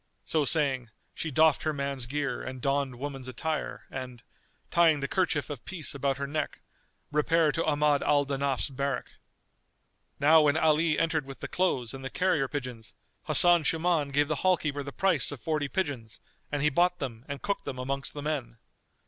So saying, she doffed her man's gear and donned woman's attire[FN#241] and, tying the kerchief of peace about her neck, repaired to Ahmad al Danaf's barrack. Now when Ali entered with the clothes and the carrier pigeons, Hasan Shuman gave the hall keeper the price of forty pigeons and he bought them and cooked them amongst the men.